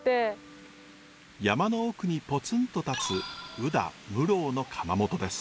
山の奥にぽつんと立つ宇陀室生の窯元です。